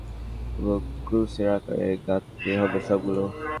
এবং, ক্রুশের আকারে গাঁথতে হবে সবগুলো!